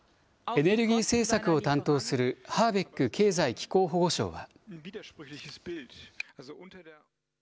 エネルギー政策を担当するハーベック経済・気候保護相は。